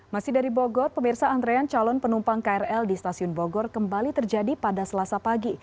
masih dari bogor pemirsa antrean calon penumpang krl di stasiun bogor kembali terjadi pada selasa pagi